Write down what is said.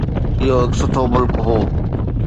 اهو هڪ سٺو ملڪ هو.